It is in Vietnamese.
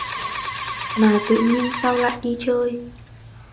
Mà tự nhiên sao lại đi chơi